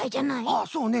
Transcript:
ああそうね。